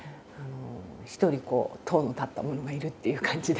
一人こう薹の立った者がいるっていう感じで。